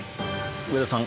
上田さん